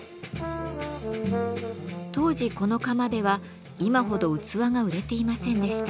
当時この窯では今ほど器が売れていませんでした。